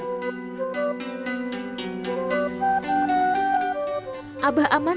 abah aman diberi penghargaan